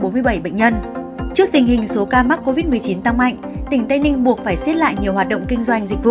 trước tình hình số ca mắc covid một mươi chín tăng mạnh tỉnh tây ninh buộc phải xiết lại nhiều hoạt động kinh doanh dịch vụ